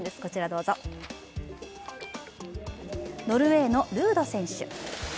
ノルウェーのルード選手。